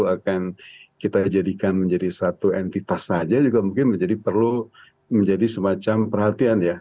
bahkan kita jadikan menjadi satu entitas saja juga mungkin menjadi perlu menjadi semacam perhatian ya